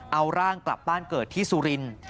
เอาร่างกลับบ้านเกิดที่สุรินทร์